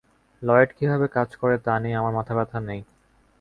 Lloyd কীভাবে কাজ করে তা নিয়ে আমার মাথাব্যথা নেই।